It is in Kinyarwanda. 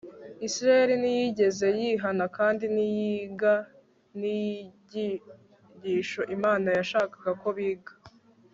Isirayeli ntiyigeze yihana kandi ntiyiga nicyigisho Imana yashakaga ko biga